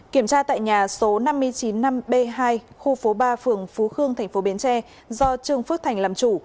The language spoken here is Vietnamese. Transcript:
kiểm tra tại nhà số năm trăm chín mươi năm b hai khu phố ba phường phú khương tp bến tre do trương phước thành làm chủ